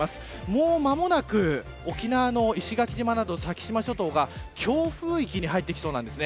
もう間もなく沖縄の石垣島など先島諸島が強風域に入ってきそうです。